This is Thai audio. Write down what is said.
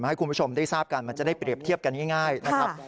ให้คุณผู้ชมได้ทราบกันมันจะได้เปรียบเทียบกันง่ายนะครับ